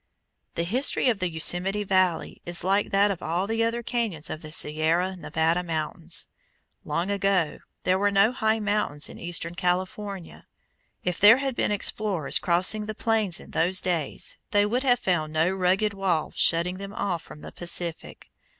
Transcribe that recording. The history of the Yosemite Valley is like that of all the other cañons of the Sierra Nevada mountains. Long ago there were no high mountains in eastern California. If there had been explorers crossing the plains in those days, they would have found no rugged wall shutting them off from the Pacific.